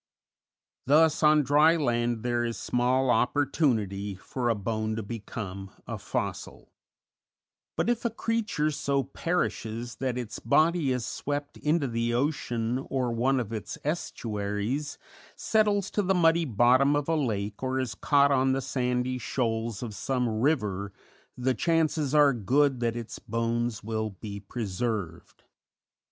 Thus on dry land there is small opportunity for a bone to become a fossil; but, if a creature so perishes that its body is swept into the ocean or one of its estuaries, settles to the muddy bottom of a lake or is caught on the sandy shoals of some river, the chances are good that its bones will be preserved.